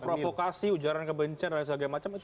kalau provokasi ujaran kebencana dan sebagainya itu masuk apa